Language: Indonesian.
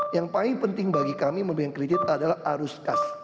yang paling penting bagi kami memberikan kredit adalah arus kas